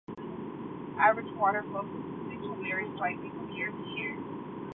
Average Water flow statistics will vary slightly from year to year.